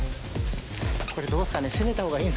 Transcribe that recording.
これどうっすかね？